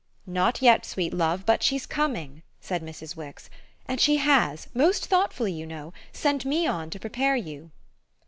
"Not yet, sweet love, but she's coming," said Mrs. Wix, "and she has most thoughtfully, you know sent me on to prepare you."